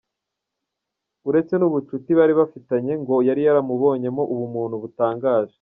Uretse n’ubucuti bari bafitanye ngo yari yaramubonyemo ubumuntu butangaje.